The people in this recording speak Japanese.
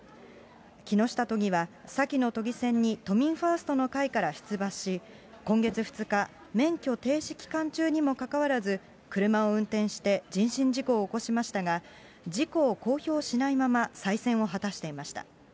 木下都議は、先の都議選に都民ファーストの会から出馬し、今月２日、免許停止期間中にもかかわらず、車を運転して人身事故を起こしましたが、事故を公表しないまま、再選を果たしていました。